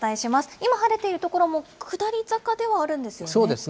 今、晴れている所も下り坂ではあそうですね。